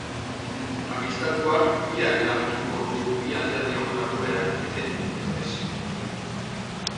Magistratuak bihar erabakiko du bi alderdion jarduerak eten edo ez.